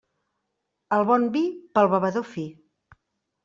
El bon vi, pel bevedor fi.